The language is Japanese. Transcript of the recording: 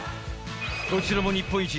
こちらも日本一！